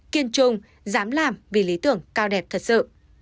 kiên trung dám làm vì lý tưởng cao đẹp thật sự